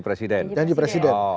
maksudnya janji presiden